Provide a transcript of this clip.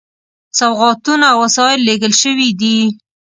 سوغاتونه او وسایل لېږل شوي دي.